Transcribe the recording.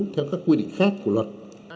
theo các quy định khác của luật